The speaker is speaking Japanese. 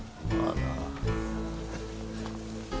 ああ！